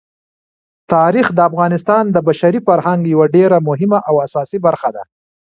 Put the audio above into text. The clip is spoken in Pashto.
تاریخ د افغانستان د بشري فرهنګ یوه ډېره مهمه او اساسي برخه ده.